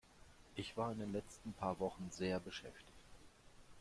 Ich war in den letzten paar Wochen sehr beschäftigt.